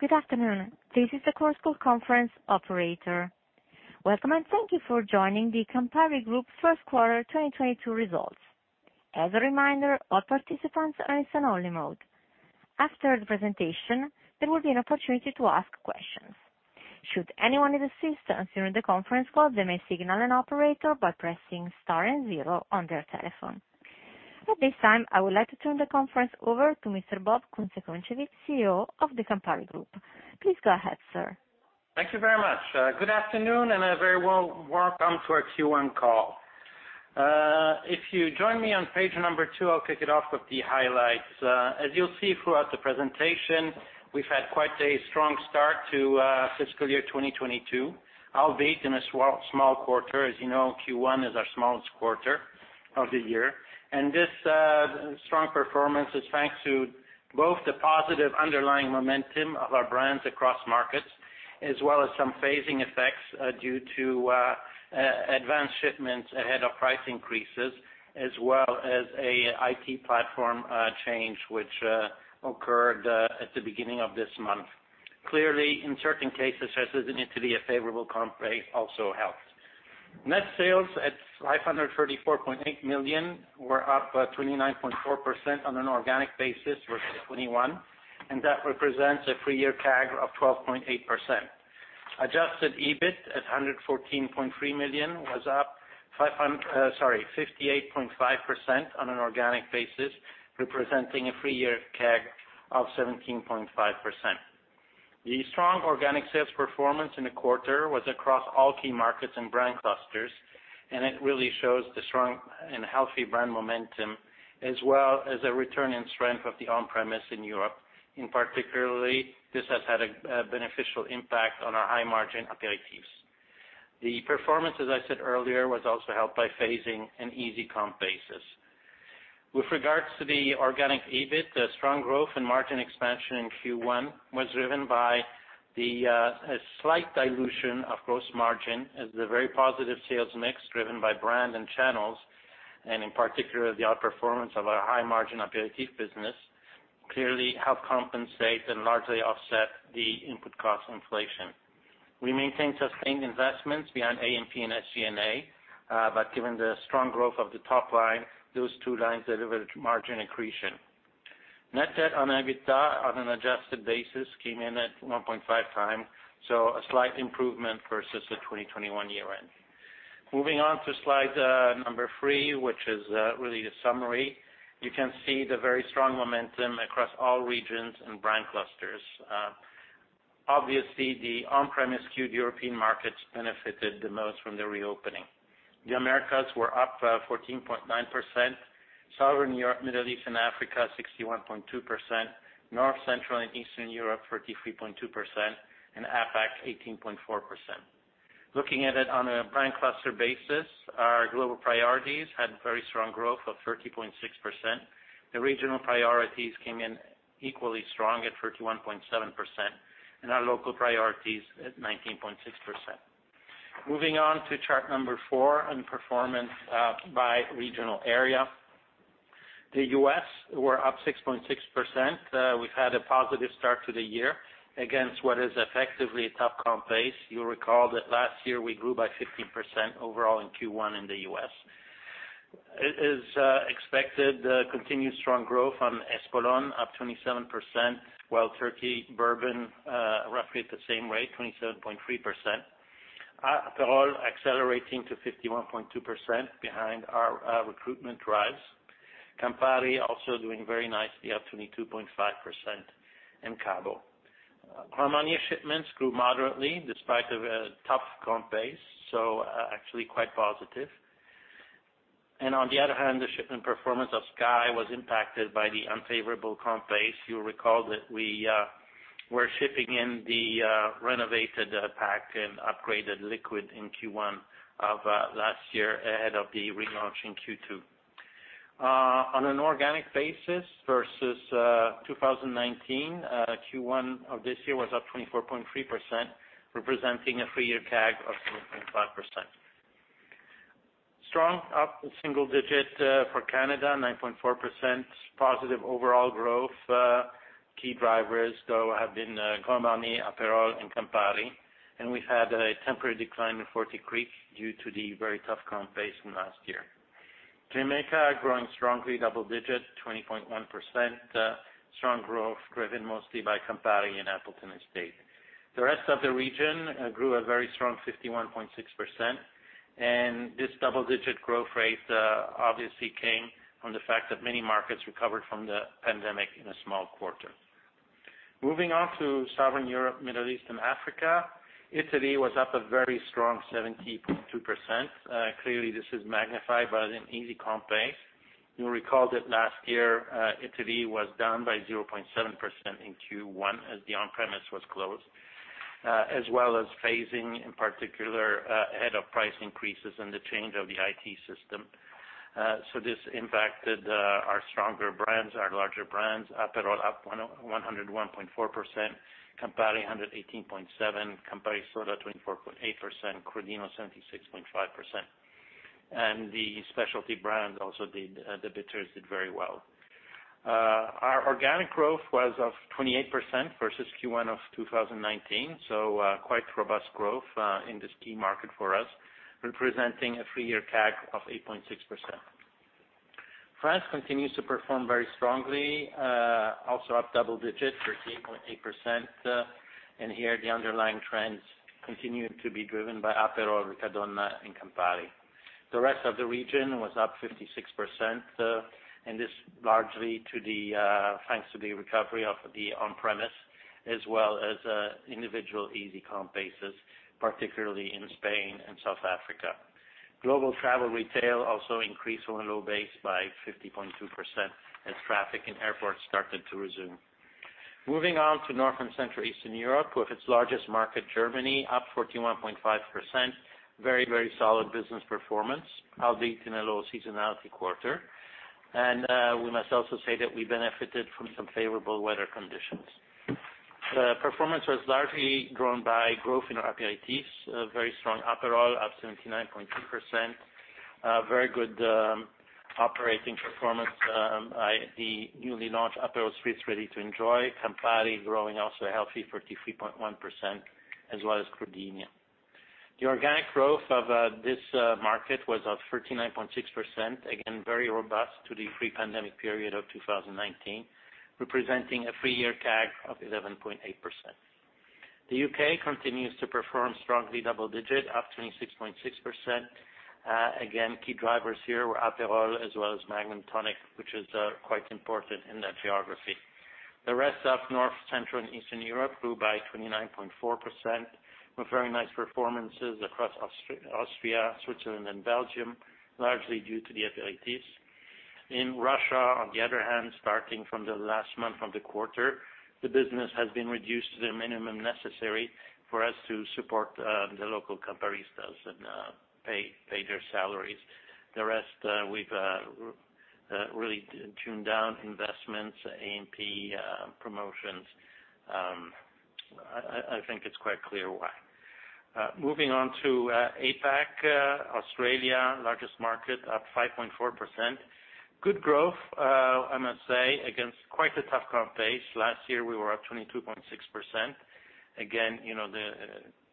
Good afternoon. This is the Chorus Call conference operator. Welcome, and thank you for joining the Campari Group First Quarter 2022 Results. As a reminder, all participants are in listen only mode. After the presentation, there will be an opportunity to ask questions. Should anyone need assistance during the conference call, they may signal an operator by pressing star and zero on their telephone. At this time, I would like to turn the conference over to Mr. Bob Kunze-Concewitz, CEO of the Campari Group. Please go ahead, sir. Thank you very much. Good afternoon, and a very warm welcome to our Q1 call. If you join me on page number 2, I'll kick it off with the highlights. As you'll see throughout the presentation, we've had quite a strong start to fiscal year 2022, albeit in a small quarter. As you know, Q1 is our smallest quarter of the year. This strong performance is thanks to both the positive underlying momentum of our brands across markets, as well as some phasing effects due to advanced shipments ahead of price increases, as well as an IT platform change which occurred at the beginning of this month. Clearly, in certain cases such as in Italy, a favorable comp rate also helped. Net sales at 534.8 million were up 29.4% on an organic basis versus 2021, and that represents a three-year CAGR of 12.8%. Adjusted EBIT at 114.3 million was up 58.5% on an organic basis, representing a three-year CAGR of 17.5%. The strong organic sales performance in the quarter was across all key markets and brand clusters, and it really shows the strong and healthy brand momentum as well as a return in strength of the on-premise in Europe. In particular, this has had a beneficial impact on our high margin aperitifs. The performance, as I said earlier, was also helped by phasing an easy comp basis. With regards to the organic EBIT, the strong growth and margin expansion in Q1 was driven by a slight dilution of gross margin as the very positive sales mix driven by brand and channels, and in particular, the outperformance of our high margin aperitif business clearly helped compensate and largely offset the input cost inflation. We maintained sustained investments behind A&P and SG&A, but given the strong growth of the top line, those two lines delivered margin accretion. Net debt to EBITDA on an adjusted basis came in at 1.5x, so a slight improvement versus the 2021 year-end. Moving on to slide number 3, which is really a summary. You can see the very strong momentum across all regions and brand clusters. Obviously the on-premise skewed European markets benefited the most from the reopening. The Americas were up 14.9%. Southern Europe, Middle East and Africa, 61.2%. North, Central and Eastern Europe, 33.2%. APAC, 18.4%. Looking at it on a brand cluster basis, our global priorities had very strong growth of 30.6%. The regional priorities came in equally strong at 31.7%, and our local priorities at 19.6%. Moving on to chart number 4 on performance by regional area. The U.S. were up 6.6%. We've had a positive start to the year against what is effectively a tough comp base. You'll recall that last year we grew by 15% overall in Q1 in the U.S. It is expected continued strong growth on Espolòn, up 27%, while Wild Turkey Bourbon roughly at the same rate, 27.3%. Aperol accelerating to 51.2% behind our recruitment drives. Campari also doing very nicely, up 22.5% in Cabo Wabo. Grand Marnier shipments grew moderately despite a tough comp base, so actually quite positive. On the other hand, the shipment performance of SKYY was impacted by the unfavorable comp base. You'll recall that we were shipping in the renovated pack and upgraded liquid in Q1 of last year ahead of the relaunch in Q2. On an organic basis versus 2019, Q1 of this year was up 24.3%, representing a three-year CAGR of 6.5%. Strong up single digit for Canada, 9.4%. Positive overall growth. Key drivers though have been Grand Marnier, Aperol and Campari. We had a temporary decline in Forty Creek due to the very tough comp base from last year. Jamaica growing strongly double-digit, 20.1%. Strong growth driven mostly by Campari and Appleton Estate. The rest of the region grew a very strong 51.6%, and this double-digit growth rate obviously came from the fact that many markets recovered from the pandemic in a small quarter. Moving on to Southern Europe, Middle East and Africa. Italy was up a very strong 70.2%. Clearly this is magnified by an easy comp base. You'll recall that last year, Italy was down by 0.7% in Q1 as the on-premise was closed, as well as phasing, in particular, ahead of price increases and the change of the IT system. This impacted our stronger brands, our larger brands. Aperol up 101.4%. Campari 118.7%. Campari Soda 24.8%. Crodino 76.5%. The specialty brand also did, the bitters did very well. Our organic growth was of 28% versus Q1 of 2019. Quite robust growth in this key market for us, representing a three-year CAGR of 8.6%. France continues to perform very strongly, also up double digits, 13.8%. Here, the underlying trends continued to be driven by Aperol, Riccadonna and Campari. The rest of the region was up 56%, and this largely to the thanks to the recovery of the on-premise as well as individual easy comp basis, particularly in Spain and South Africa. Global travel retail also increased on a low base by 50.2% as traffic in airports started to resume. Moving on to North and Central Eastern Europe, with its largest market, Germany, up 41.5%. Very, very solid business performance, albeit in a low seasonality quarter. We must also say that we benefited from some favorable weather conditions. The performance was largely driven by growth in our aperitifs, a very strong Aperol, up 79.2%. Very good operating performance by the newly launched Aperol Spritz Ready to Enjoy, Campari growing also a healthy 33.1%, as well as Crodino. The organic growth of this market was up 39.6%. Again, very robust to the pre-pandemic period of 2019, representing a three-year CAGR of 11.8%. The U.K. continues to perform strongly double digit, up 26.6%. Again, key drivers here were Aperol as well as Magnum Tonic Wine, which is quite important in that geography. The rest of North, Central and Eastern Europe grew by 29.4% with very nice performances across Austria, Switzerland and Belgium, largely due to the aperitifs. In Russia, on the other hand, starting from the last month of the quarter, the business has been reduced to the minimum necessary for us to support the local Camparistas and pay their salaries. The rest, we've really tuned down investments, A&P, promotions. I think it's quite clear why. Moving on to APAC. Australia, largest market, up 5.4%. Good growth, I must say, against quite a tough comp base. Last year, we were up 22.6%. Again, you know, the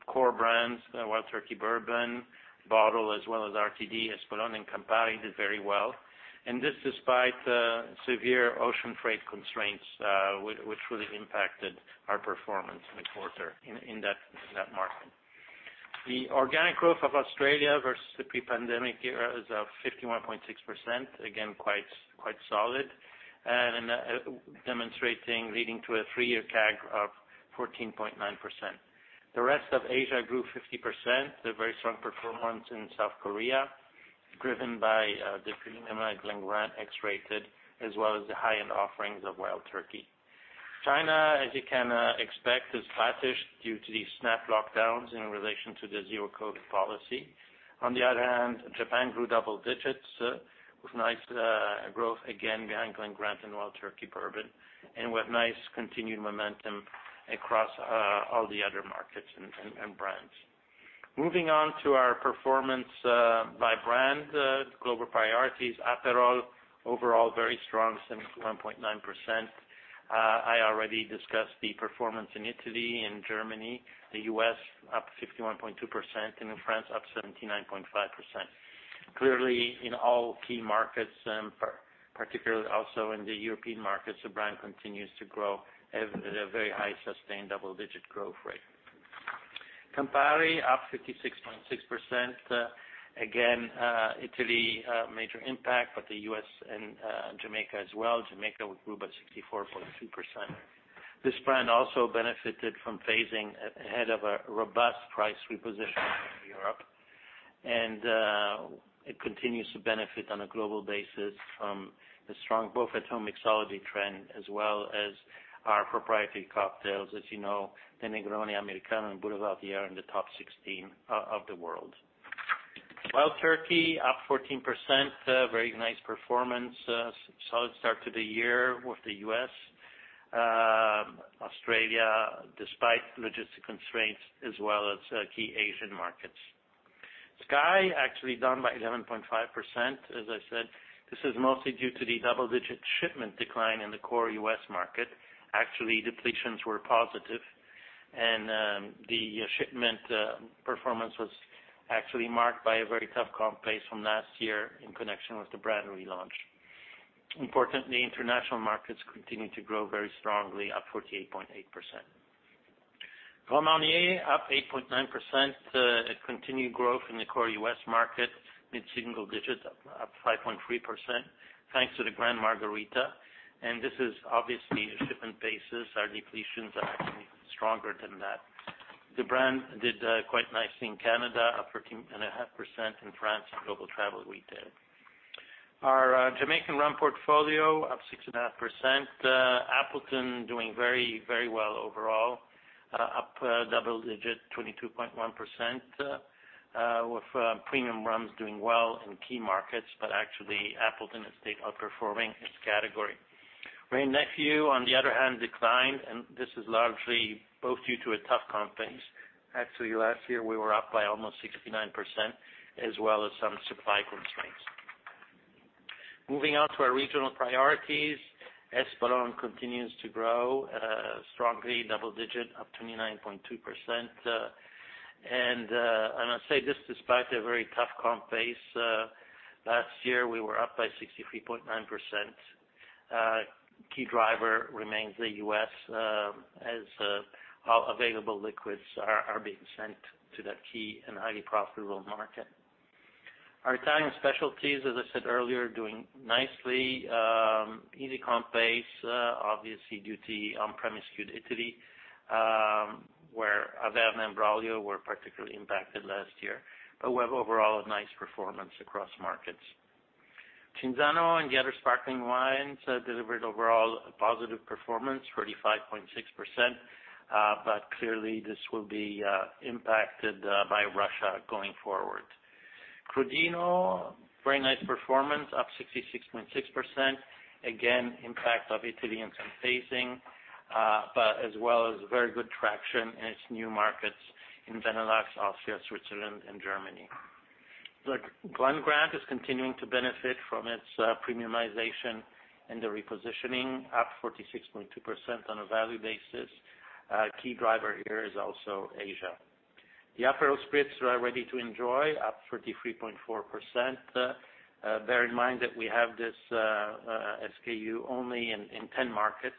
core brands, Wild Turkey Bourbon, bottle as well as RTD, Espolòn and Campari did very well. This despite severe ocean freight constraints, which really impacted our performance in the quarter in that market. The organic growth of Australia versus the pre-pandemic era is up 51.6%. Again, quite solid, demonstrating leading to a three-year CAGR of 14.9%. The rest of Asia grew 50%. The very strong performance in South Korea, driven by the premium Glen Grant X-Rated, as well as the high-end offerings of Wild Turkey. China, as you can expect, is flattish due to the snap lockdowns in relation to the zero COVID policy. On the other hand, Japan grew double digits with nice growth, again, behind Glen Grant and Wild Turkey Bourbon, and with nice continued momentum across all the other markets and brands. Moving on to our performance by brand global priorities. Aperol, overall very strong, 71.9%. I already discussed the performance in Italy and Germany. The U.S. up 51.2%, and in France up 79.5%. Clearly, in all key markets, particularly also in the European markets, the brand continues to grow at a very high sustained double-digit growth rate. Campari up 56.6%. Again, Italy, major impact, but the U.S. and Jamaica as well. Jamaica grew by 64.2%. This brand also benefited from phasing ahead of a robust price reposition in Europe. It continues to benefit on a global basis from the strong at-home mixology trend as well as our proprietary cocktails. As you know, the Negroni, Americano, and Boulevardier are in the top 16 of the world. Wild Turkey up 14%. Very nice performance. Solid start to the year with the U.S. Australia, despite logistic constraints as well as key Asian markets. SKYY actually down by 11.5%. As I said, this is mostly due to the double-digit shipment decline in the core U.S. market. Actually, depletions were positive and the shipment performance was actually marked by a very tough comp pace from last year in connection with the brand relaunch. Importantly, international markets continued to grow very strongly, up 48.8%. Grand Marnier up 8.9%. Continued growth in the core U.S. market, mid-single digits up 5.3%, thanks to the Grand Margarita. This is obviously a shipment basis. Our depletions are actually stronger than that. The brand did quite nicely in Canada, up 14.5% in France and global travel retail. Our Jamaican rum portfolio up 6.5%. Appleton doing very well overall, up double digit, 22.1%. With premium rums doing well in key markets, but actually Appleton is outperforming its category. Wray & Nephew on the other hand declined, and this is largely both due to a tough comp base. Actually, last year we were up by almost 69% as well as some supply constraints. Moving on to our regional priorities, Espolòn continues to grow strongly double digit up 29.2%. And I say this despite a very tough comp base, last year, we were up by 63.9%. Key driver remains the U.S., as our available liquids are being sent to that key and highly profitable market. Our Italian specialties, as I said earlier, doing nicely, easy comp base, obviously due to on-premise skewed Italy, where Averna and Braulio were particularly impacted last year. We have overall a nice performance across markets. Cinzano and the other sparkling wines delivered overall a positive performance, 45.6%. Clearly this will be impacted by Russia going forward. Crodino, very nice performance, up 66.6%. Again, impact of Italian comp facing, but as well as very good traction in its new markets in Benelux, Austria, Switzerland, and Germany. The Glen Grant is continuing to benefit from its premiumization and the repositioning, up 46.2% on a value basis. Key driver here is also Asia. The Aperol Spritz Ready to Enjoy, up 33.4%. Bear in mind that we have this SKU only in 10 markets.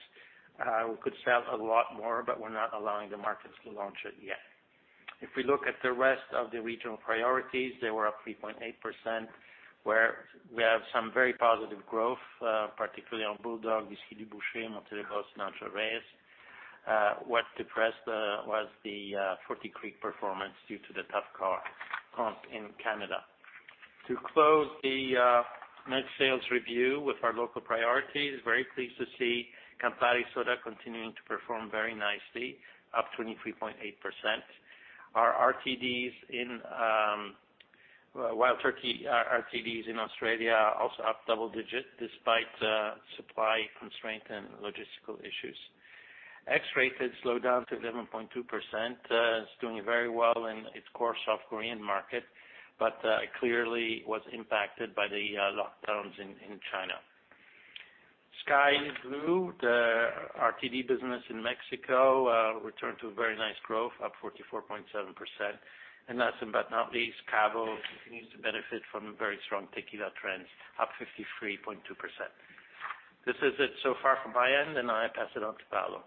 We could sell a lot more, we're not allowing the markets to launch it yet. If we look at the rest of the regional priorities, they were up 3.8%, where we have some very positive growth, particularly on BULLDOG, Whisky L'Aubercy], [Monte dei Roari], Ancho Reyes. What depressed was the Forty Creek performance due to the tough comp in Canada. To close the net sales review with our local priorities, very pleased to see Campari Soda continuing to perform very nicely, up 23.8%. Our RTDs in Wild Turkey, our RTDs in Australia are also up double-digit despite supply constraint and logistical issues. X-Rated slowed down to 11.2%. It's doing very well in its core South Korean market, but it clearly was impacted by the lockdowns in China. SKYY Blue, the RTD business in Mexico, returned to a very nice growth, up 44.7%. Last but not least, Cabo continues to benefit from very strong tequila trends, up 53.2%. This is it so far from my end, and I pass it on to Paolo.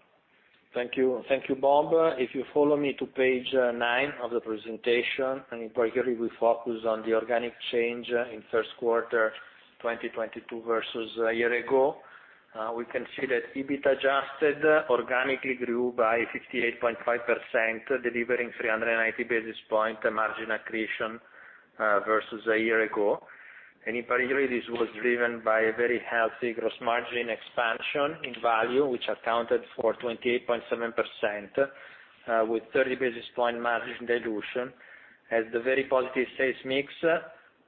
Thank you. Thank you, Bob. If you follow me to page 9 of the presentation, and in particular we focus on the organic change in first quarter 2022 versus a year ago, we can see that EBIT adjusted organically grew by 58.5%, delivering 390 basis point margin accretion versus a year ago. In particular, this was driven by a very healthy gross margin expansion in value, which accounted for 28.7%, with 30 basis point margin dilution as the very positive sales mix,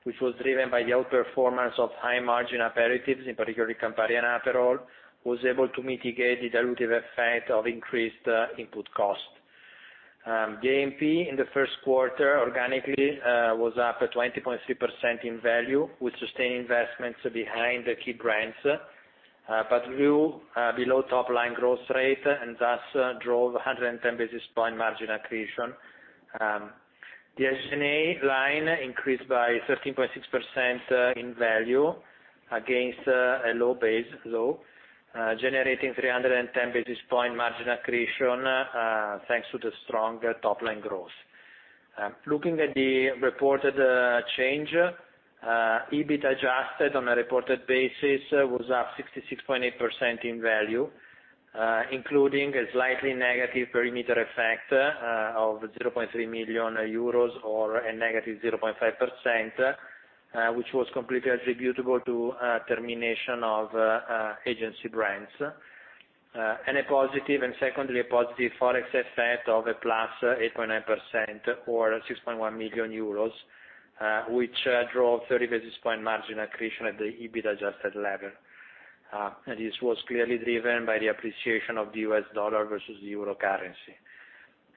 which was driven by the outperformance of high margin aperitives, in particular Campari and Aperol, was able to mitigate the dilutive effect of increased input costs. The A&P in the first quarter organically was up at 20.3% in value with sustained investments behind the key brands, but grew below top line growth rate and thus drove 110 basis point margin accretion. The SG&A line increased by 13.6% in value against a low base, generating 310 basis point margin accretion, thanks to the strong top line growth. Looking at the reported change, EBIT adjusted on a reported basis was up 66.8% in value, including a slightly negative perimeter effect of 0.3 million euros or a -0.5%, which was completely attributable to termination of agency brands. Secondly, a positive Forex effect of +8.9% or 6.1 million euros, which drove 30 basis points margin accretion at the EBIT adjusted level. This was clearly driven by the appreciation of the US dollar versus the euro currency.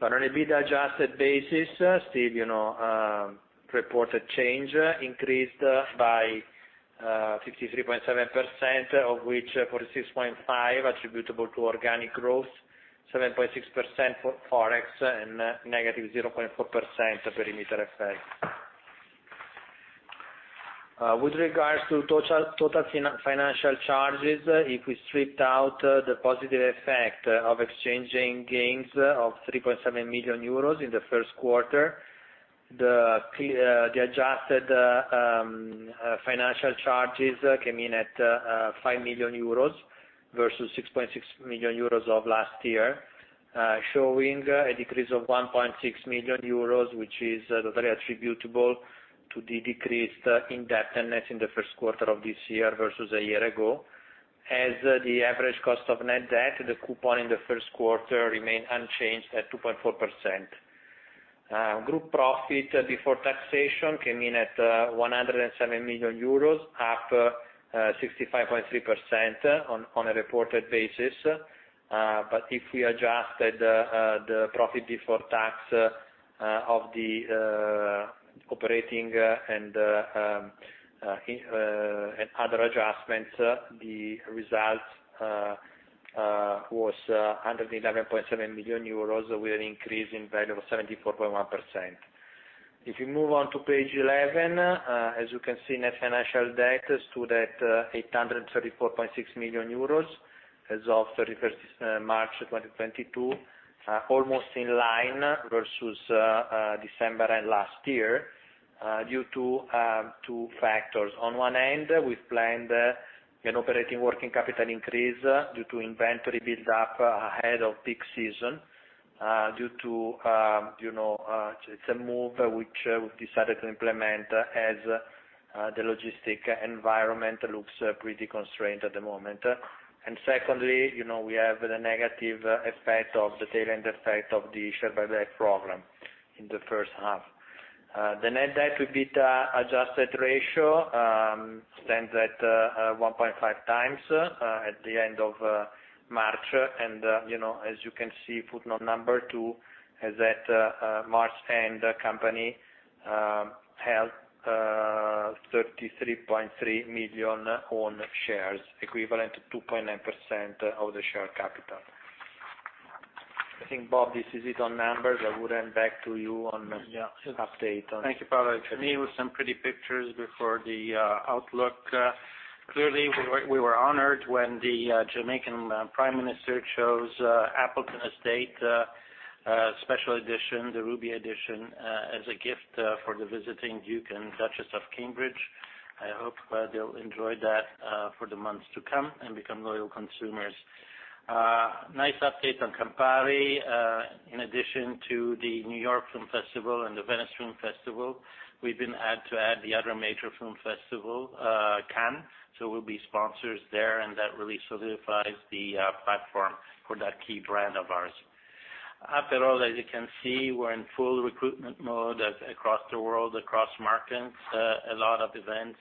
On an EBIT adjusted basis, Steve, you know, reported change increased by 53.7%, of which 46.5 attributable to organic growth, 7.6% for Forex, and -0.4% perimeter effect. With regards to total financial charges, if we stripped out the positive effect of exchange gains of 3.7 million euros in the first quarter, the adjusted financial charges came in at 5 million euros versus 6.6 million euros of last year, showing a decrease of 1.6 million euros, which is very attributable to the decrease in net debt in the first quarter of this year versus a year ago. As the average cost of net debt, the coupon in the first quarter remained unchanged at 2.4%. Group profit before taxation came in at 107 million euros, up 65.3% on a reported basis. If we adjusted the profit before tax of the operating and other adjustments, the results was 111.7 million euros with an increase in value of 74.1%. If you move on to page 11, as you can see, net financial debt stood at 834.6 million euros as of 31st March 2022, almost in line versus December end last year, due to two factors. On one end, we planned an operating working capital increase due to inventory build-up ahead of peak season, due to you know, it's a move which we've decided to implement as the logistics environment looks pretty constrained at the moment. Secondly, you know, we have the negative effect of the tailwind effect of the share buyback program in the first half. The net debt to EBITDA adjusted ratio stands at 1.5x at the end of March. You know, as you can see, footnote number 2 is that March end, the company held 33.3 million own shares, equivalent to 2.9% of the share capital. I think, Bob, this is it on numbers. I would hand back to you on the update on- Thank you, Paolo. Let me with some pretty pictures before the outlook. Clearly, we were honored when the Jamaican Prime Minister chose Appleton Estate special edition, the Ruby edition, as a gift for the visiting Duke and Duchess of Cambridge. I hope they'll enjoy that for the months to come and become loyal consumers. Nice update on Campari. In addition to the New York Film Festival and the Venice Film Festival, we've added the other major film festival, Cannes. We'll be sponsors there, and that really solidifies the platform for that key brand of ours. Aperol, as you can see, we're in full recruitment mode as across the world, across markets, a lot of events,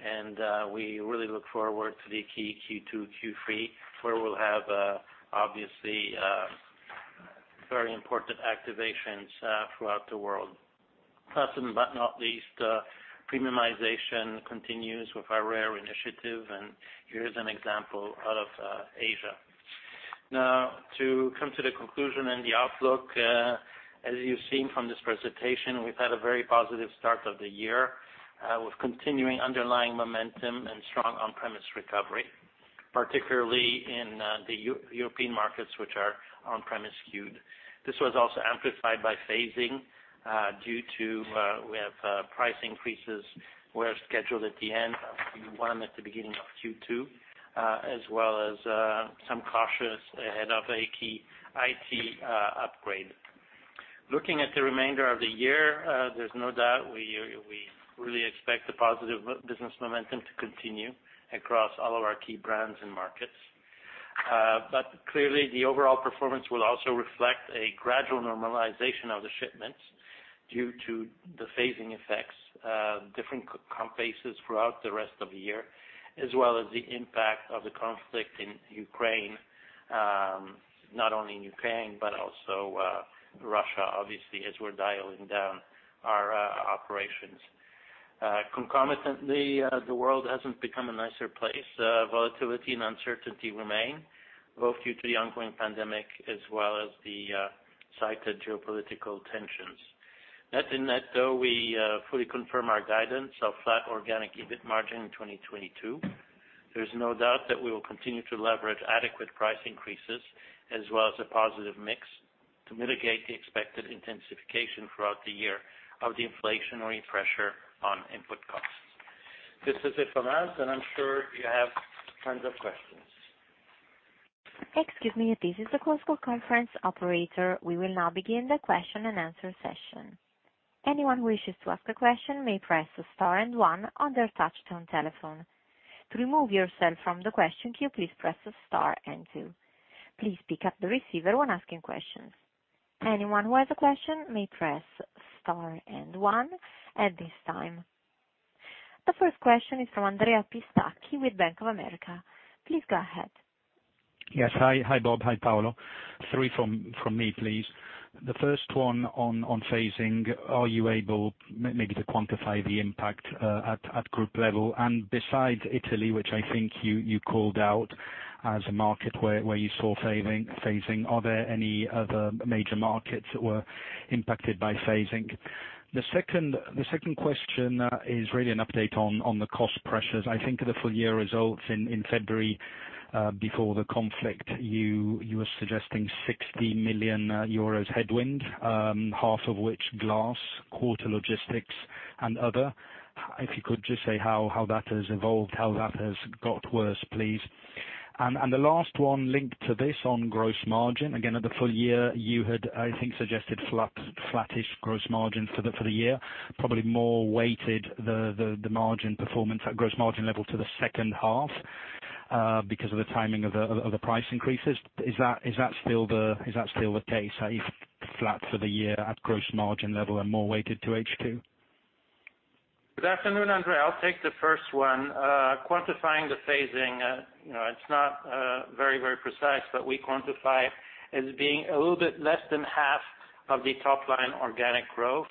and we really look forward to the key Q2, Q3, where we'll have, obviously, very important activations, throughout the world. Last but not least, premiumization continues with our Rare initiative, and here's an example out of, Asia. Now, to come to the conclusion and the outlook, as you've seen from this presentation, we've had a very positive start of the year, with continuing underlying momentum and strong on-premise recovery, particularly in, the European markets, which are on-premise skewed. This was also amplified by phasing due to price increases were scheduled at the end one at the beginning of Q2, as well as some caution ahead of a key IT upgrade. Looking at the remainder of the year, there's no doubt we really expect the positive business momentum to continue across all of our key brands and markets. Clearly the overall performance will also reflect a gradual normalization of the shipments due to the phasing effects, different comp bases throughout the rest of the year, as well as the impact of the conflict in Ukraine, not only in Ukraine, but also Russia, obviously, as we're dialing down our operations. Concomitantly, the world hasn't become a nicer place. Volatility and uncertainty remain, both due to the ongoing pandemic as well as the cited geopolitical tensions. Net in that though, we fully confirm our guidance of flat organic EBIT margin in 2022. There's no doubt that we will continue to leverage adequate price increases as well as a positive mix to mitigate the expected intensification throughout the year of the inflationary pressure on input costs. This is it from us, and I'm sure you have tons of questions. Excuse me. This is the Chorus Call conference operator. We will now begin the question and answer session. Anyone who wishes to ask a question may press star and one on their touchtone telephone. To remove yourself from the question queue, please press star and two. Please pick up the receiver when asking questions. Anyone who has a question may press star and one at this time. The first question is from Andrea Pistacchi with Bank of America. Please go ahead. Yes. Hi. Hi, Bob. Hi, Paolo. Three from me, please. The first one on phasing, are you able maybe to quantify the impact at group level? Besides Italy, which I think you called out as a market where you saw phasing, are there any other major markets that were impacted by phasing? The second question is really an update on the cost pressures. I think the full year results in February, before the conflict, you were suggesting 60 million euros headwind, half of which glass, quarter logistics and other. If you could just say how that has evolved, how that has got worse, please. The last one linked to this on gross margin. Again, at the full year, you had, I think, suggested flat, flattish gross margin for the year, probably more weighted the margin performance at gross margin level to the second half. Because of the timing of the price increases. Is that still the case? Are you flat for the year at gross margin level and more weighted to H2? Good afternoon, Andrea. I'll take the first one. Quantifying the phasing, you know, it's not very, very precise, but we quantify as being a little bit less than half of the top line organic growth.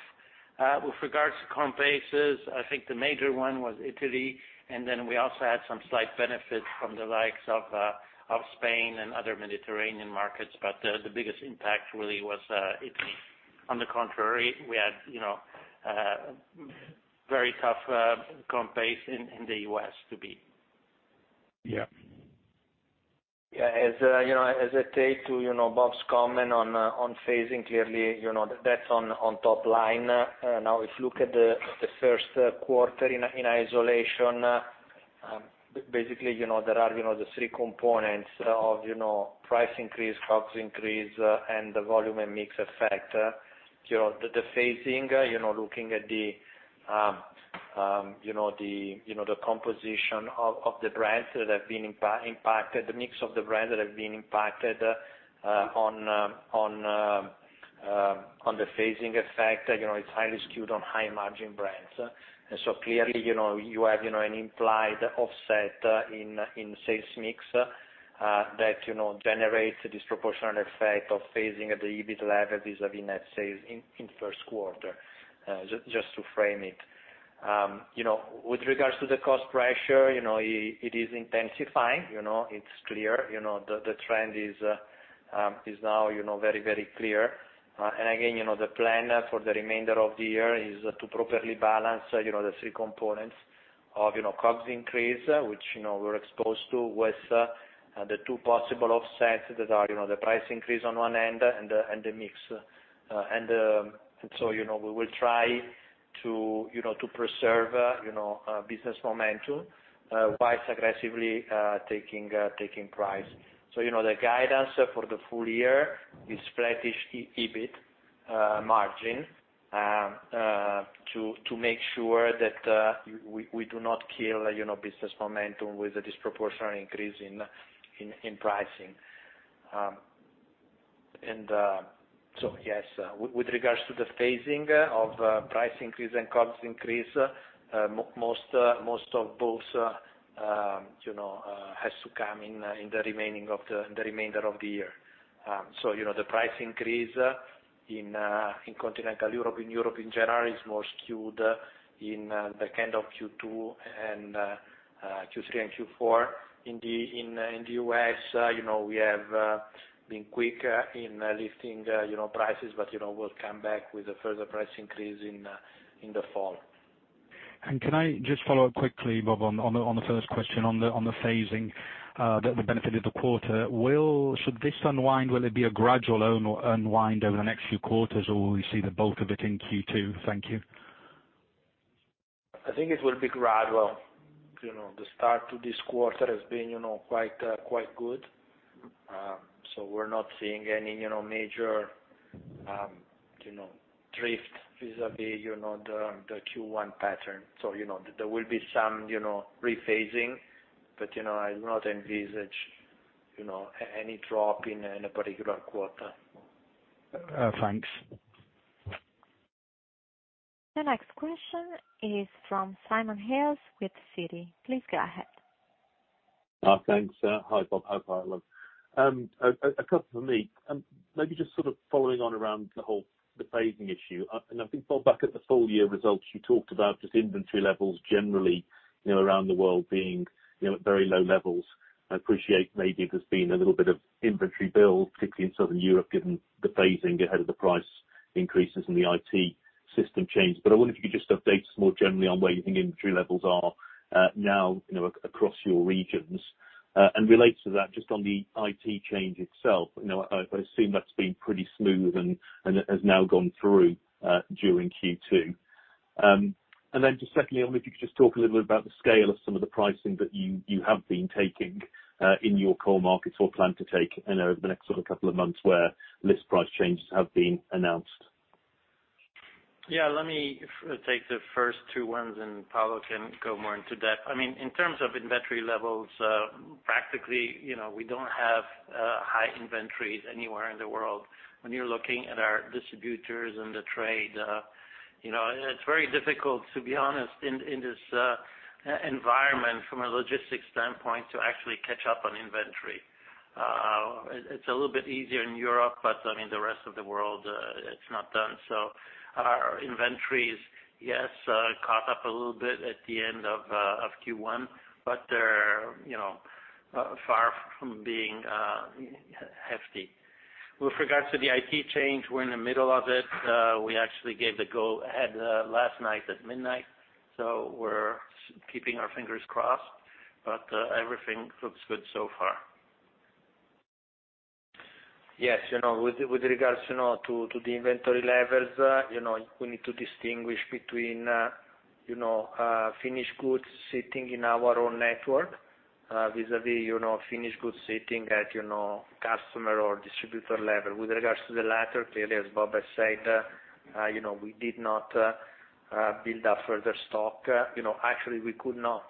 With regards to comp basis, I think the major one was Italy, and then we also had some slight benefits from the likes of Spain and other Mediterranean markets. The biggest impact really was Italy. On the contrary, we had, you know, very tough comp base in the U.S. to beat. Yeah. Yeah, as you know, as I take to you know, Bob's comment on phasing clearly, you know, that's on top line. Now, if you look at the first quarter in isolation, basically, you know, there are the three components of price increase, COGS increase, and the volume and mix effect. You know, the phasing, you know, looking at the composition of the brands that have been impacted, the mix of the brands that have been impacted, on the phasing effect, you know, it's highly skewed on high margin brands. Clearly, you know, you have, you know, an implied offset in sales mix that, you know, generates a disproportionate effect of phasing at the EBIT level vis-à-vis net sales in first quarter, just to frame it. You know, with regards to the cost pressure, you know, it is intensifying, you know. It's clear, you know, the trend is now, you know, very, very clear. And again, you know, the plan for the remainder of the year is to properly balance, you know, the three components of, you know, COGS increase, which, you know, we're exposed to, with the two possible offsets that are, you know, the price increase on one end and the mix. You know, we will try to preserve you know business momentum whilst aggressively taking price. You know, the guidance for the full year is flattish EBIT margin to make sure that we do not kill you know business momentum with a disproportionate increase in pricing. Yes, with regards to the phasing of price increase and COGS increase, most of both you know has to come in in the remainder of the year. You know, the price increase in Continental Europe, in Europe in general, is more skewed in the kind of Q2 and Q3 and Q4. In the U.S., you know, we have been quick in lifting, you know, prices, but, you know, we'll come back with a further price increase in the fall. Can I just follow up quickly, Bob, on the first question on the phasing that benefited the quarter. Should this unwind, will it be a gradual unwind over the next few quarters, or will we see the bulk of it in Q2? Thank you. I think it will be gradual. You know, the start to this quarter has been, you know, quite good. We're not seeing any, you know, major, you know, drift vis-à-vis, you know, the Q1 pattern. There will be some, you know, rephasing, but, you know, I do not envisage, you know, any drop in any particular quarter. Thanks. The next question is from Simon Hales with Citi. Please go ahead. Thanks. Hi, Bob. Hi, Paolo. A couple from me. Maybe just sort of following on around the phasing issue. I think, Bob, back at the full year results, you talked about just inventory levels generally, you know, around the world being, you know, at very low levels. I appreciate maybe there's been a little bit of inventory build, particularly in Southern Europe, given the phasing ahead of the price increases and the IT system change. I wonder if you could just update us more generally on where you think inventory levels are, now, you know, across your regions. Related to that, just on the IT change itself, you know, I assume that's been pretty smooth and has now gone through during Q2. Just secondly, I wonder if you could just talk a little bit about the scale of some of the pricing that you have been taking in your core markets or plan to take, you know, over the next sort of couple of months where list price changes have been announced. Yeah, let me take the first two ones, and Paolo can go more into depth. I mean, in terms of inventory levels, practically, you know, we don't have high inventories anywhere in the world. When you're looking at our distributors and the trade, you know, it's very difficult, to be honest, in this environment from a logistics standpoint to actually catch up on inventory. It's a little bit easier in Europe, but, I mean, the rest of the world, it's not done. Our inventories, yes, caught up a little bit at the end of Q1, but they're, you know, far from being hefty. With regards to the IT change, we're in the middle of it. We actually gave the go ahead last night at midnight, so we're keeping our fingers crossed, but everything looks good so far. Yes. You know, with regards, you know, to the inventory levels, you know, we need to distinguish between, you know, finished goods sitting in our own network, vis-à-vis, you know, finished goods sitting at, you know, customer or distributor level. With regards to the latter, clearly, as Bob has said, you know, we did not build up further stock. You know, actually, we could not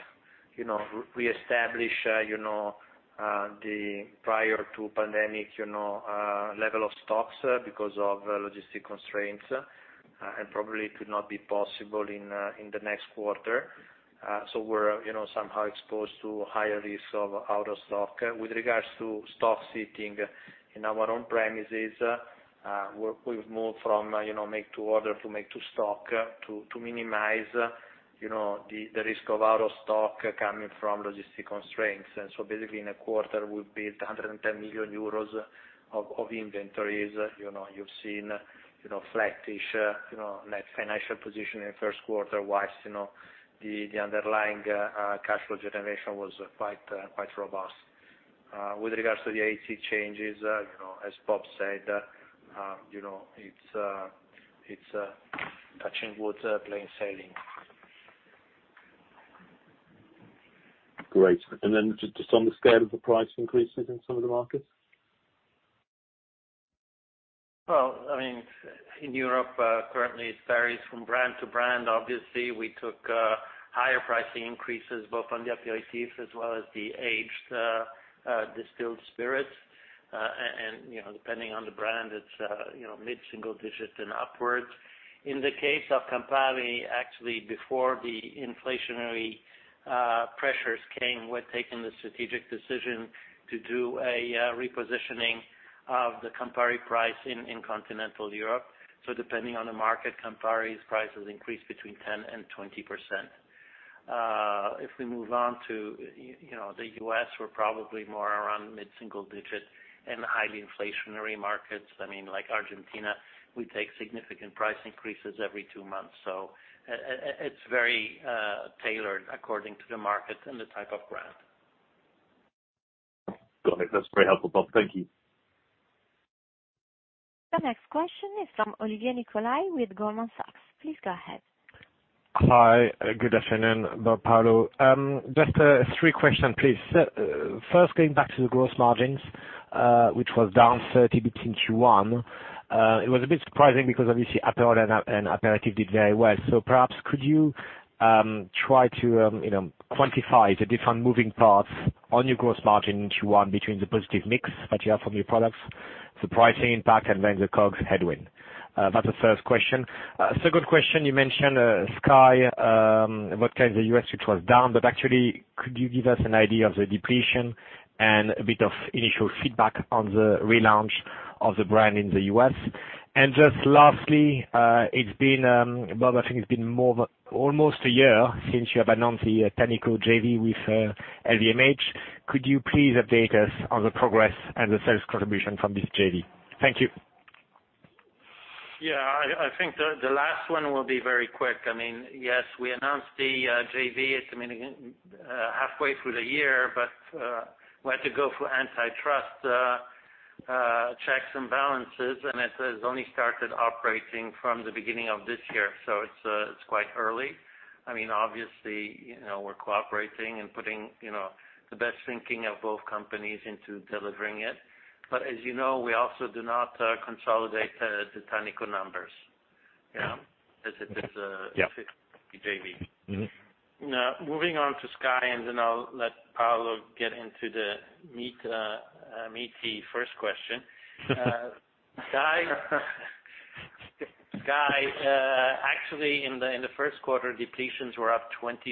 re-establish, you know, the prior to pandemic, you know, level of stocks, because of logistic constraints, and probably it would not be possible in the next quarter. We're, you know, somehow exposed to higher risk of out of stock. With regards to stock sitting in our own premises, we've moved from, you know, make to order to make to stock to minimize, you know, the risk of out of stock coming from logistic constraints. Basically in a quarter, we've built 110 million euros of inventories. You've seen, you know, flattish, you know, net financial position in the first quarter, while, you know, the underlying cash flow generation was quite robust. With regards to the FX changes, you know, as Bob said, you know, it's touch wood, plain sailing. Great. Just on the scale of the price increases in some of the markets? Well, I mean, in Europe, currently it varies from brand to brand. Obviously, we took higher pricing increases both on the aperitifs as well as the aged distilled spirits. You know, depending on the brand, it's you know, mid-single digit and upwards. In the case of Campari, actually, before the inflationary pressures came, we'd taken the strategic decision to do a repositioning of the Campari price in continental Europe. Depending on the market, Campari's prices increased between 10%-20%. If we move on to you know, the U.S., we're probably more around mid-single digit. In highly inflationary markets, I mean, like Argentina, we take significant price increases every two months. It's very tailored according to the market and the type of brand. Got it. That's very helpful, Bob. Thank you. The next question is from Olivier Nicolai with Goldman Sachs. Please go ahead. Hi. Good afternoon, Bob, Paolo. Just three questions, please. First, going back to the gross margins, which was down 30 bps in Q1. It was a bit surprising because obviously Aperol and Aperitif did very well. Perhaps could you try to you know, quantify the different moving parts on your gross margin in Q1 between the positive mix that you have from your products, the pricing impact, and then the COGS headwind? That's the first question. Second question, you mentioned SKYY Vodka in the U.S., which was down. Actually, could you give us an idea of the depletion and a bit of initial feedback on the relaunch of the brand in the U.S.? Just lastly, it's been, Bob, I think it's been almost a year since you have announced the Tannico JV with LVMH. Could you please update us on the progress and the sales contribution from this JV? Thank you. Yeah. I think the last one will be very quick. I mean, yes, we announced the JV, I mean, halfway through the year, but we had to go through antitrust checks and balances, and it has only started operating from the beginning of this year. It's quite early. I mean, obviously, you know, we're cooperating and putting, you know, the best thinking of both companies into delivering it. As you know, we also do not consolidate the Tannico numbers. You know? Yeah. As it is a- Yeah. -JV. Mm-hmm. Now, moving on to SKYY, and then I'll let Paolo get into the meaty first question. SKYY, actually, in the first quarter, depletions were up 20%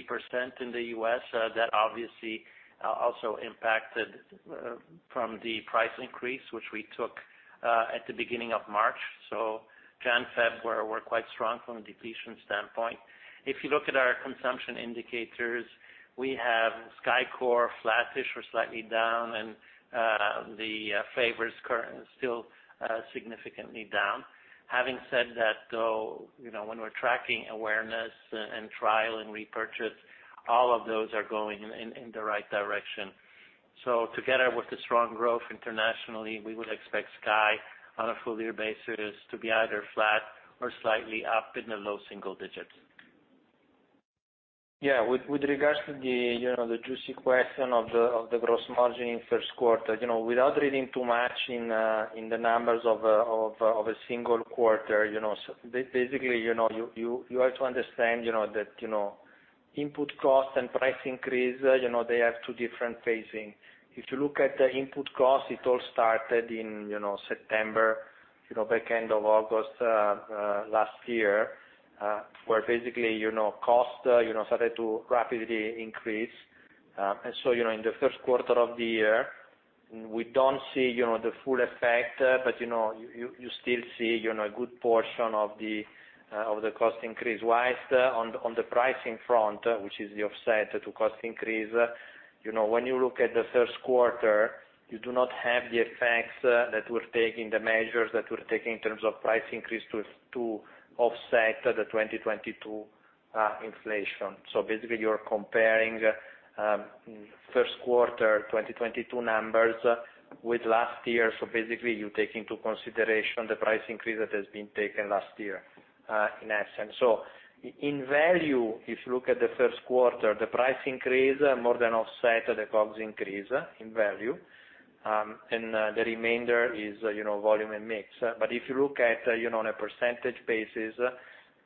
in the U.S. That obviously also impacted from the price increase, which we took at the beginning of March. January, February were quite strong from a depletion standpoint. If you look at our consumption indicators, we have SKYY Core flattish or slightly down and the flavors currently still significantly down. Having said that, though, you know, when we're tracking awareness and trial and repurchase, all of those are going in the right direction. Together with the strong growth internationally, we would expect SKYY on a full year basis to be either flat or slightly up in the low single digits. Yeah. With regards to the you know the juicy question of the gross margin in first quarter, you know without reading too much in the numbers of a single quarter, you know basically you know you have to understand you know that you know input costs and price increase you know they have two different phasing. If you look at the input cost, it all started in you know September you know back end of August last year where basically you know cost you know started to rapidly increase. In the first quarter of the year, we don't see you know the full effect but you know you still see you know a good portion of the cost increase-wise. On the pricing front, which is the offset to cost increase, you know, when you look at the first quarter, you do not have the effects that we're taking, the measures that we're taking in terms of price increase to offset the 2022 inflation. Basically you're comparing first quarter 2022 numbers with last year. Basically you take into consideration the price increase that has been taken last year, in essence. In value, if you look at the first quarter, the price increase more than offset the COGS increase in value. The remainder is, you know, volume and mix. If you look at, you know, on a percentage basis,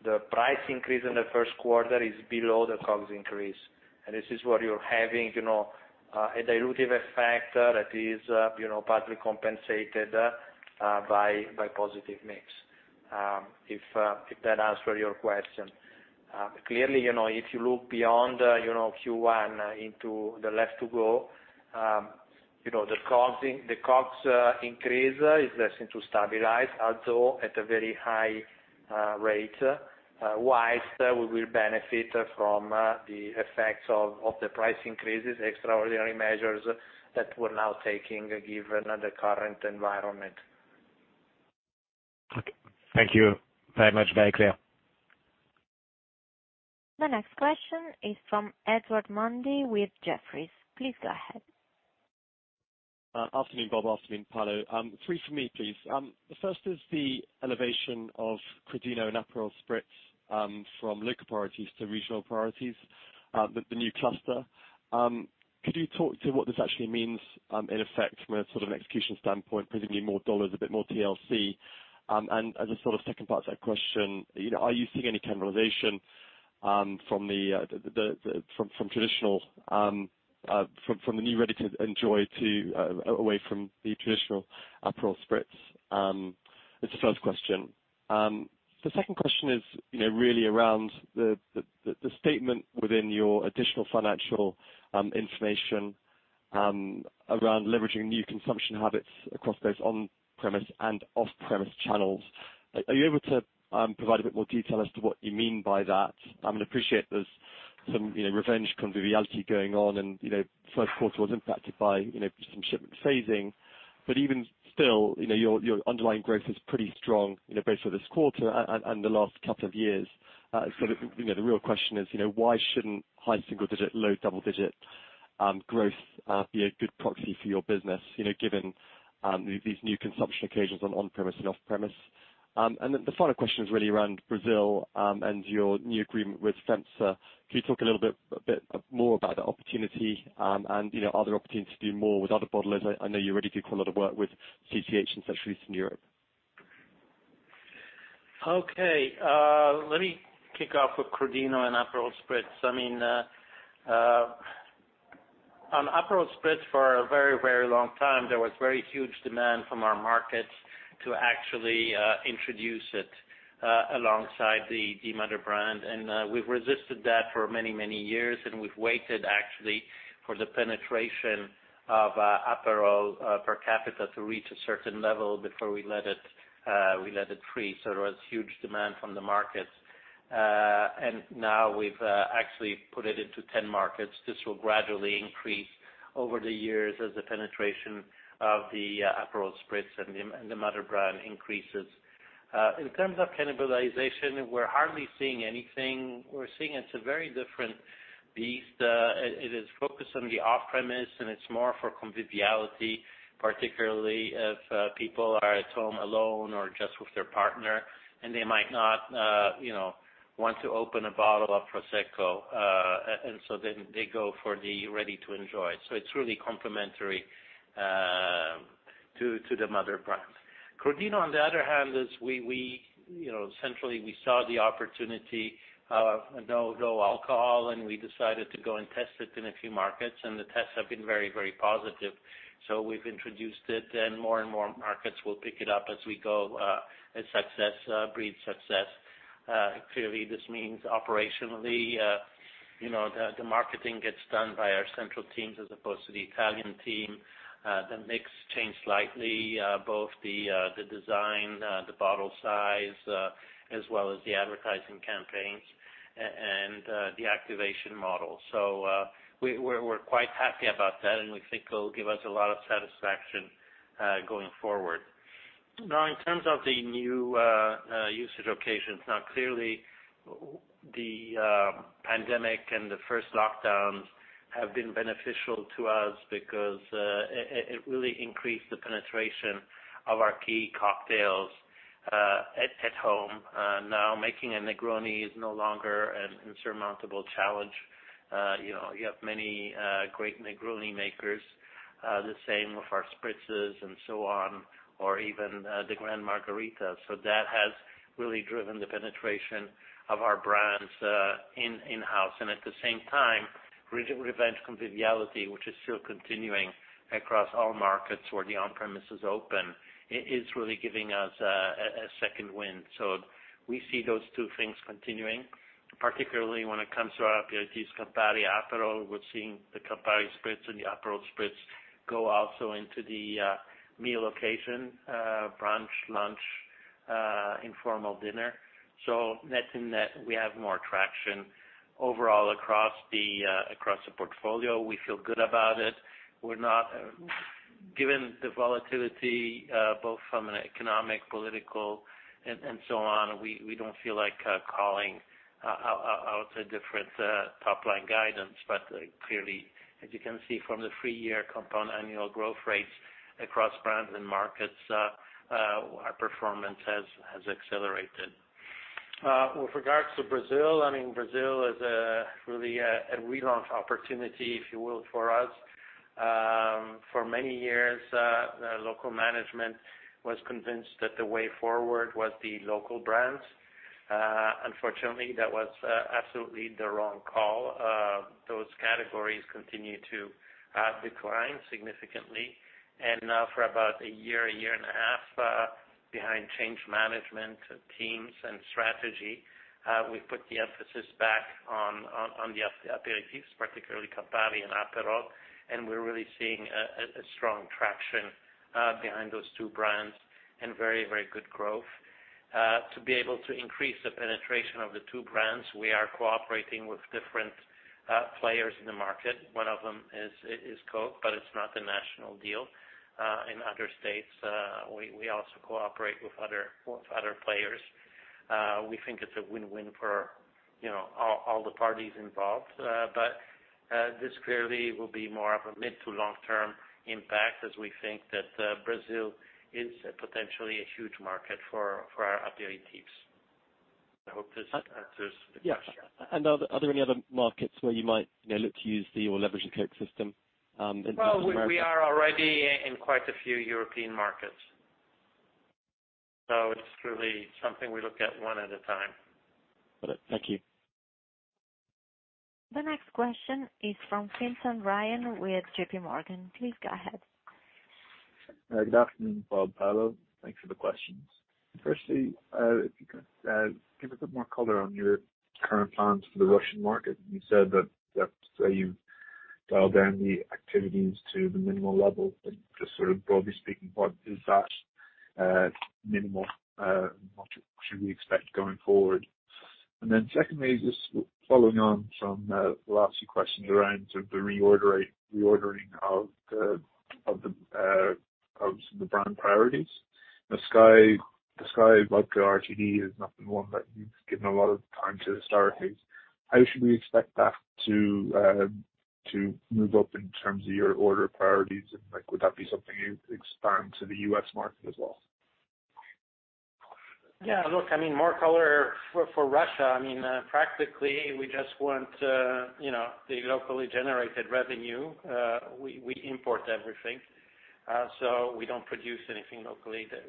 the price increase in the first quarter is below the COGS increase. This is where you're having, you know, a dilutive effect that is, you know, partly compensated by positive mix, if that answer your question. Clearly, you know, if you look beyond Q1 into the rest of the year, you know, the COGS increase is expected to stabilize, although at a very high rate. Otherwise, we will benefit from the effects of the price increases, extraordinary measures that we're now taking given the current environment. Okay. Thank you very much. Very clear. The next question is from Edward Mundy with Jefferies. Please go ahead. Afternoon, Bob. Afternoon, Paolo. Three for me, please. The first is the elevation of Crodino and Aperol Spritz from local priorities to regional priorities, the new cluster. Could you talk to what this actually means in effect from a sort of an execution standpoint, presumably more dollars, a bit more TLC? And as a sort of second part to that question, you know, are you seeing any cannibalization from the new ready to enjoy to away from the traditional Aperol Spritz? That's the first question. The second question is, you know, really around the statement within your additional financial information around leveraging new consumption habits across those on-premise and off-premise channels. Are you able to provide a bit more detail as to what you mean by that? I mean, appreciate there's some, you know, revenge conviviality going on, and, you know, first quarter was impacted by, you know, some shipment phasing. But even still, you know, your underlying growth is pretty strong, you know, both for this quarter and the last couple of years. The real question is, you know, why shouldn't high single digit, low double digit growth be a good proxy for your business, you know, given these new consumption occasions on-premise and off-premise? The final question is really around Brazil and your new agreement with FEMSA. Can you talk a little bit more about the opportunity, and, you know, are there opportunities to do more with other bottlers? I know you already do quite a lot of work with C-C HBC in Central Eastern Europe. Okay. Let me kick off with Crodino and Aperol Spritz. I mean, on Aperol Spritz for a very, very long time, there was very huge demand from our markets to actually introduce it alongside the mother brand. We've resisted that for many, many years, and we've waited actually for the penetration of Aperol per capita to reach a certain level before we let it free. There was huge demand from the markets. Now we've actually put it into 10 markets. This will gradually increase over the years as the penetration of the Aperol Spritz and the mother brand increases. In terms of cannibalization, we're hardly seeing anything. We're seeing it's a very different beast. It is focused on the off-premise, and it's more for conviviality, particularly if people are at home alone or just with their partner, and they might not, you know, want to open a bottle of Prosecco. So then they go for the ready to enjoy. It's really complementary to the mother brand. Crodino on the other hand is, we, you know, centrally we saw the opportunity of low/no alcohol, and we decided to go and test it in a few markets, and the tests have been very positive. We've introduced it, and more and more markets will pick it up as we go, as success breeds success. Clearly this means operationally, you know, the marketing gets done by our central teams as opposed to the Italian team. The mix changed slightly, both the design, the bottle size, as well as the advertising campaigns and the activation model. We're quite happy about that, and we think it'll give us a lot of satisfaction, going forward. Now, in terms of the new usage occasions, now clearly the pandemic and the first lockdowns have been beneficial to us because it really increased the penetration of our key cocktails, at home. Now making a Negroni is no longer an insurmountable challenge. You know, you have many great Negroni makers, the same with our spritzes and so on, or even the Grand Margarita. That has really driven the penetration of our brands, in-house. At the same time, revenge conviviality, which is still continuing across all markets where the on-premise is open, is really giving us a second wind. We see those two things continuing, particularly when it comes to our aperitifs Campari Aperol. We're seeing the Campari Spritz and the Aperol Spritz go also into the meal occasion, brunch, lunch, informal dinner. Net in net, we have more traction overall across the portfolio. We feel good about it. Given the volatility, both from an economic, political, and so on, we don't feel like calling out a different top-line guidance. Clearly, as you can see from the three-year compound annual growth rates across brands and markets, our performance has accelerated. With regards to Brazil, I mean, Brazil is really a relaunch opportunity, if you will, for us. For many years, the local management was convinced that the way forward was the local brands. Unfortunately, that was absolutely the wrong call. Those categories continue to decline significantly. Now for about a year, a year and a half, behind change management teams and strategy, we put the emphasis back on the aperitifs, particularly Campari and Aperol. We're really seeing a strong traction behind those two brands and very good growth. To be able to increase the penetration of the two brands, we are cooperating with different players in the market. One of them is Coke, but it's not the national deal. In other states, we also cooperate with other players. We think it's a win-win for, you know, all the parties involved. This clearly will be more of a mid to long-term impact as we think that Brazil is potentially a huge market for our aperitifs. I hope this answers the question. Yeah. Are there any other markets where you might, you know, look to use the or leverage the Coke system, in North America? Well, we are already in quite a few European markets. It's truly something we look at one at a time. Got it. Thank you. The next question is from Ryan Simpson with JPMorgan. Please go ahead. Good afternoon, Bob, Paolo. Thanks for the questions. Firstly, if you could give a bit more color on your current plans for the Russian market. You said that you've dialed down the activities to the minimal level. Just sort of broadly speaking, what is that minimal, what should we expect going forward? And then secondly, just following on from the last few questions around sort of the reordering of the brand priorities. The SKYY Vodka RTD is not the one that you've given a lot of time to historically. How should we expect that to move up in terms of your order priorities? And, like, would that be something you expand to the U.S. market as well? Look, I mean, more color for Russia. I mean, practically, we just want, you know, the locally generated revenue. We import everything. So we don't produce anything locally there.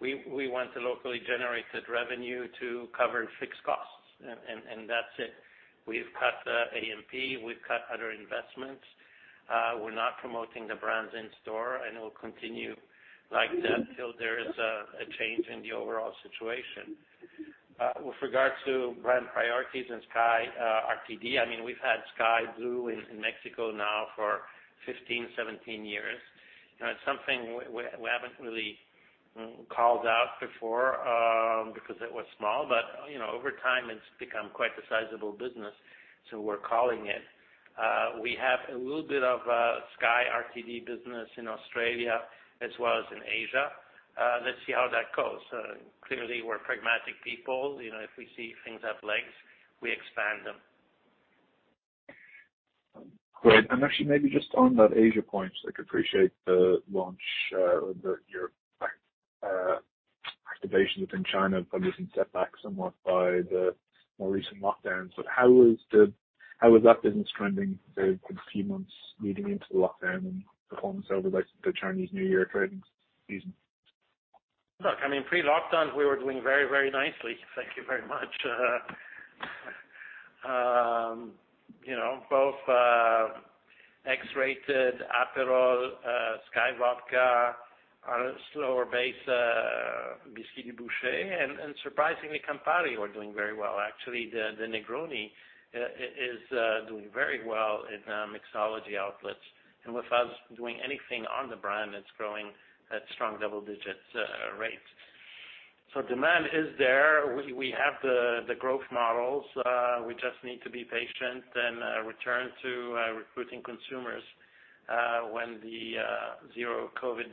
We want the locally generated revenue to cover fixed costs, and that's it. We've cut A&P, we've cut other investments. We're not promoting the brands in store, and we'll continue like that till there is a change in the overall situation. With regards to brand priorities and SKYY RTD, I mean, we've had SKYY Blue in Mexico now for 15, 17 years. You know, it's something we haven't really called out before, because it was small. You know, over time, it's become quite a sizable business, so we're calling it. We have a little bit of SKYY RTD business in Australia as well as in Asia. Let's see how that goes. Clearly, we're pragmatic people. You know, if we see things have legs, we expand them. Great. Actually, maybe just on that Asia point, like, appreciate the launch or your activation within China, but it has been set back somewhat by the more recent lockdowns. How is that business trending in the few months leading into the lockdown and performance over, like, the Chinese New Year trading season? Look, I mean, pre-lockdown, we were doing very, very nicely, thank you very much. You know, both X-Rated Aperol, SKYY Vodka, on a slower base, Bisquit & Dubouché, and surprisingly, Campari were doing very well. Actually, the Negroni is doing very well in mixology outlets. Without doing anything on the brand, it's growing at strong double-digit rates. Demand is there. We have the growth models. We just need to be patient and return to recruiting consumers when the zero-COVID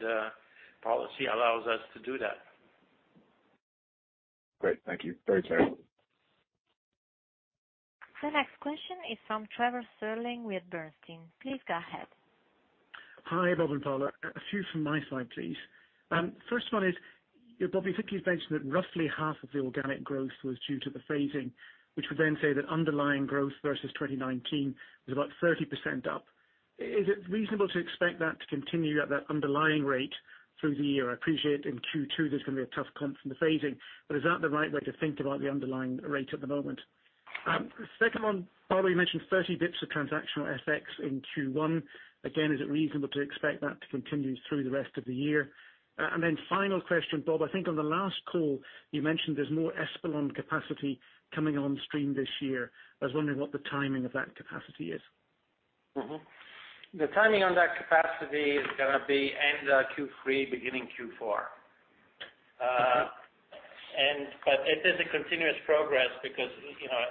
policy allows us to do that. Great. Thank you. Very clear. The next question is from Trevor Stirling with Bernstein. Please go ahead. Hi, Bob and Paolo. A few from my side, please. First one is, you know, Bob, you mentioned that roughly half of the organic growth was due to the phasing, which would then say that underlying growth versus 2019 was about 30% up. Is it reasonable to expect that to continue at that underlying rate through the year? I appreciate in Q2 there's gonna be a tough comp from the phasing, but is that the right way to think about the underlying rate at the moment? Second one, Paolo, you mentioned 30 basis points of transactional FX in Q1. Again, is it reasonable to expect that to continue through the rest of the year? And then final question, Bob, I think on the last call, you mentioned there's more Espolòn capacity coming on stream this year. I was wondering what the timing of that capacity is. Mm-hmm. The timing on that capacity is gonna be end of Q3, beginning Q4. It is a continuous progress because, you know,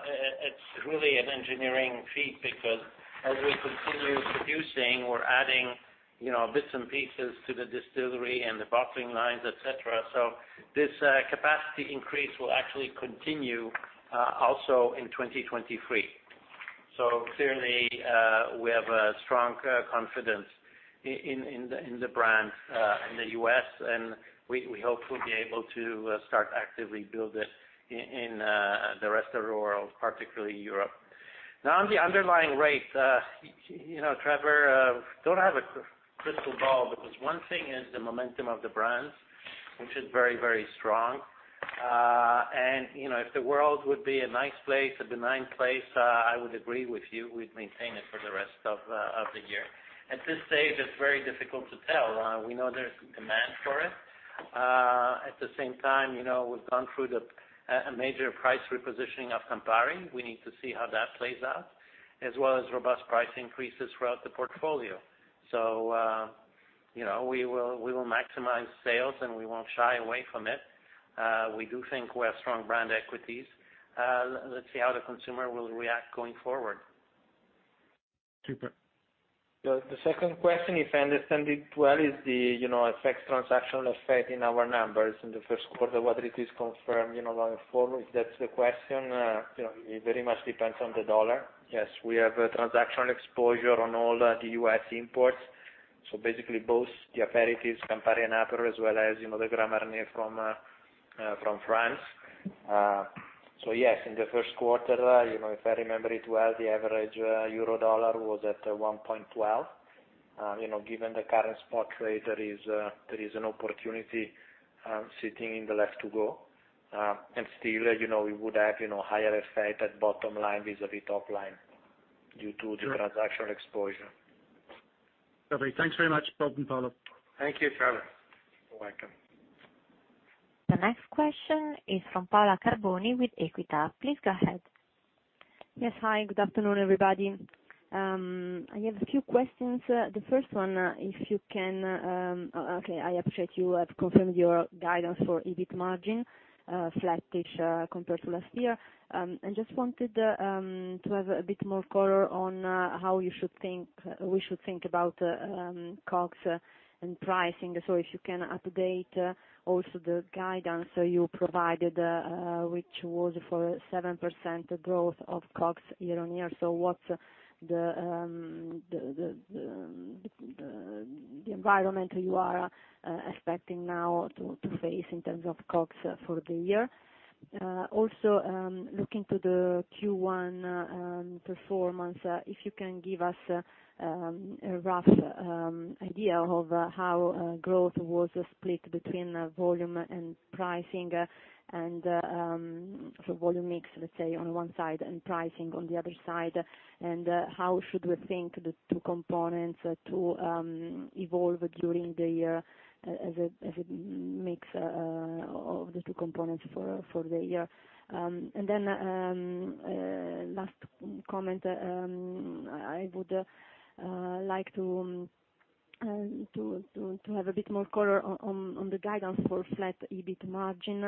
it's really an engineering feat because as we continue producing, we're adding, you know, bits and pieces to the distillery and the bottling lines, et cetera. This capacity increase will actually continue also in 2023. Clearly, we have a strong confidence in the brand in the U.S., and we hope we'll be able to start to actively build it in the rest of the world, particularly Europe. Now, on the underlying rate, you know, Trevor, don't have a crystal ball, because one thing is the momentum of the brands, which is very, very strong. You know, if the world would be a nice place, a benign place, I would agree with you, we'd maintain it for the rest of the year. At this stage, it's very difficult to tell. We know there's demand for it. At the same time, you know, we've gone through a major price repositioning of Campari. We need to see how that plays out, as well as robust price increases throughout the portfolio. You know, we will maximize sales, and we won't shy away from it. We do think we have strong brand equities. Let's see how the consumer will react going forward. Super. The second question, if I understand it well, is the you know FX transactional effect in our numbers in the first quarter, whether it is confirmed you know going forward, if that's the question, you know it very much depends on the dollar. Yes, we have a transactional exposure on all the U.S. imports, so basically both the aperitifs, Campari and Aperol, as well as you know the Grand Marnier from France. So yes, in the first quarter you know if I remember it well, the average euro/dollar was at 1.12. You know given the current spot rate, there is an opportunity sitting in the P&L to go. Still you know we would have you know higher effect at bottom line vis-à-vis top line due to the transactional exposure. Okay, thanks very much. Bob from Paolo. Thank you, Trevor. You're welcome. The next question is from Paola Carboni with Equita. Please go ahead. Yes. Hi, good afternoon, everybody. I have a few questions. The first one, I appreciate you have confirmed your guidance for EBIT margin, flattish, compared to last year. Just wanted to have a bit more color on how we should think about COGS and pricing. If you can update also the guidance you provided, which was for 7% growth of COGS year-on-year. What's the environment you are expecting now to face in terms of COGS for the year? Also, looking to the Q1 performance, if you can give us a rough idea of how growth was split between volume and pricing and so volume mix, let's say, on one side and pricing on the other side. How should we think the two components to evolve during the year as a mix of the two components for the year? Last comment, I would like to have a bit more color on the guidance for flat EBIT margin,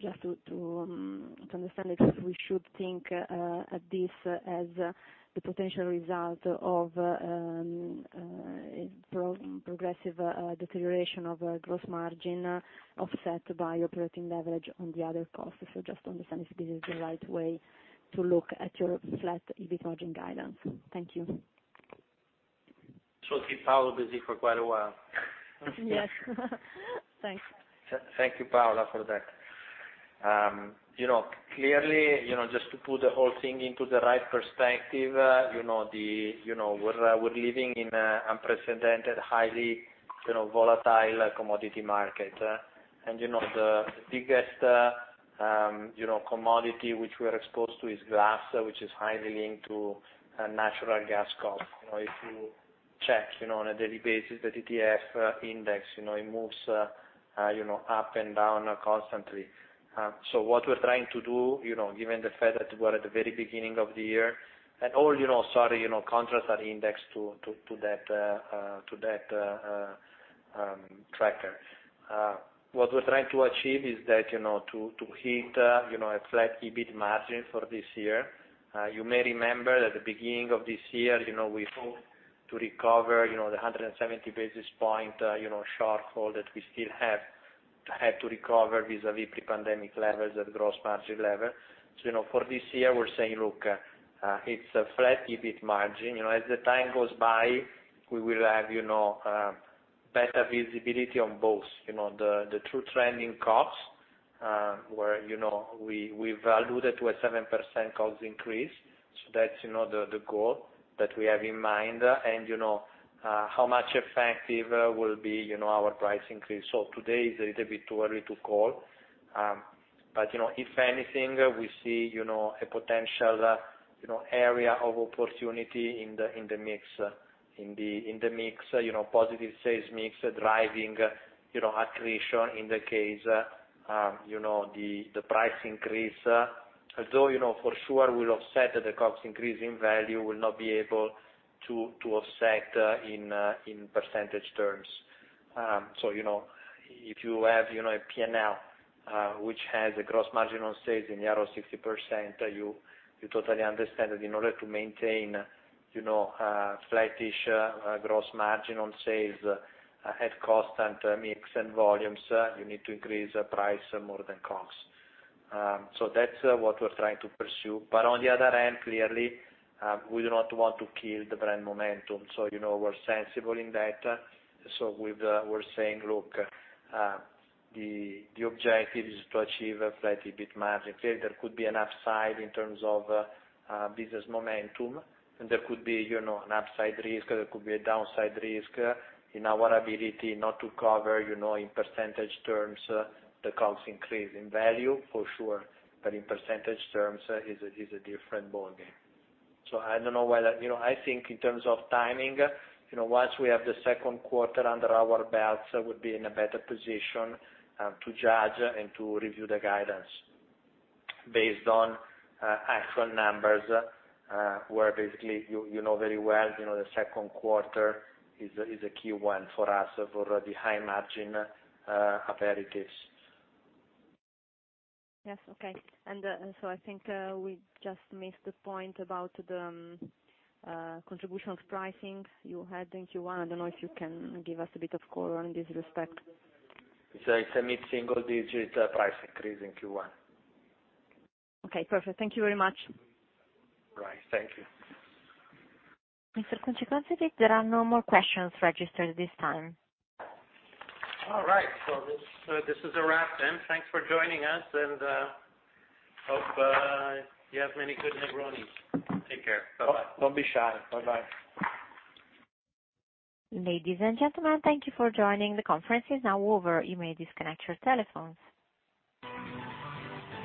just to understand if we should think this as the potential result of progressive deterioration of gross margin offset by operating leverage on the other costs. Just to understand if this is the right way to look at your flat EBIT margin guidance? Thank you. I'll keep Paolo busy for quite a while. Yes. Thanks. Thank you, Paola, for that. You know, clearly, you know, just to put the whole thing into the right perspective, you know, we're living in an unprecedented, highly volatile commodity market. You know, the biggest commodity which we are exposed to is glass, which is highly linked to natural gas COGS. You know, if you check on a daily basis, the TTF index, you know, it moves up and down constantly. What we're trying to do, given the fact that we're at the very beginning of the year, all contracts are indexed to that tracker. What we're trying to achieve is that, you know, to hit, you know, a flat EBIT margin for this year. You may remember at the beginning of this year, you know, we hoped to recover, you know, the 170 basis point shortfall that we still have to recover vis-a-vis pre-pandemic levels at gross margin level. You know, for this year, we're saying, look, it's a flat EBIT margin. You know, as the time goes by, we will have, you know, better visibility on both, you know, the true trending costs, where, you know, we've alluded to a 7% COGS increase. That's, you know, the goal that we have in mind. You know, how much effective will be, you know, our price increase. Today is a little bit too early to call. You know, if anything, we see, you know, a potential, you know, area of opportunity in the mix, positive sales mix driving, you know, accretion in the case, you know, the price increase. Although, you know, for sure we'll offset the COGS increase in value, we'll not be able to offset in percentage terms. You know, if you have, you know, a P&L, which has a gross margin on sales in the area of 60%, you totally understand that in order to maintain, you know, flattish gross margin on sales at cost and mix and volumes, you need to increase price more than COGS. That's what we're trying to pursue. On the other hand, clearly, we do not want to kill the brand momentum, so you know, we're sensible in that. We're saying, look, the objective is to achieve a flat EBIT margin. Clearly, there could be an upside in terms of business momentum, and there could be, you know, an upside risk, there could be a downside risk in our ability not to cover, you know, in percentage terms, the COGS increase in value, for sure. In percentage terms, is a different ballgame. I don't know whether, you know, I think in terms of timing, you know, once we have the second quarter under our belts, we'll be in a better position to judge and to review the guidance based on actual numbers, where basically you know very well, you know, the second quarter is a key one for us for the high margin aperitifs. Yes. Okay. I think we just missed the point about the contribution of pricing you had in Q1. I don't know if you can give us a bit of color in this respect. It's a mid-single digit price increase in Q1. Okay. Perfect. Thank you very much. Right. Thank you. Mr. Kunze-Concewitz, there are no more questions registered at this time. All right. This is a wrap then. Thanks for joining us, and hope you have many good Negroni. Take care. Bye-bye. Don't be shy. Bye-bye. Ladies and gentlemen, thank you for joining. The conference is now over. You may disconnect your telephones.